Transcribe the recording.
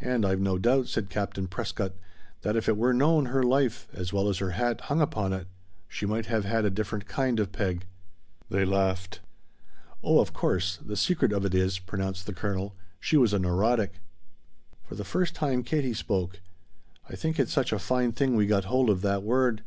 "And I've no doubt," said Captain Prescott, "that if it were known her life, as well as her hat, hung upon it she might have had a different kind of peg." They laughed. "Oh, of course, the secret of it is," pronounced the Colonel, "she was a neurotic." For the first time Katie spoke. "I think it's such a fine thing we got hold of that word.